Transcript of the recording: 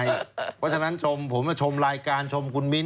เพราะฉะนั้นชมผมมาชมรายการชมคุณมิ้นท